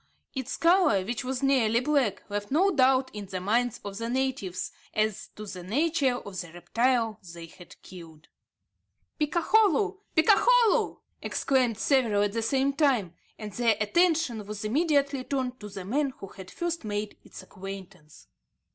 Its colour, which was nearly black, left no doubt in the minds of the natives as to the nature of the reptile they had killed. "Picakholu! picakholu!" exclaimed several at the same time, and their attention was immediately turned to the man who had first made its acquaintance.